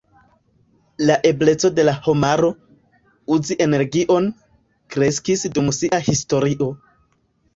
La ebleco de la homaro, uzi energion, kreskis dum sia historio.